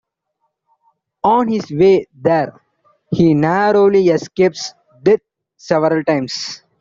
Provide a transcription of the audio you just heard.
On his way there, he narrowly escapes death several times.